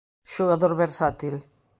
Xogador versátil.